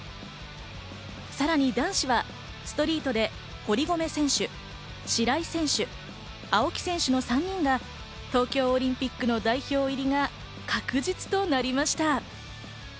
さらに男子はストリートで堀米選手、白井選手、青木選手と３人が東京オリンピックの代表入りが確実となりました。